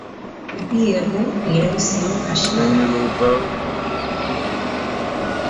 Bi egun iraun zion kaxkarrak.